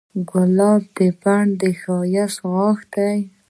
ګلاب د بڼ د ښایست غاښ دی.